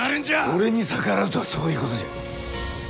俺に逆らうとはそういうことじゃ。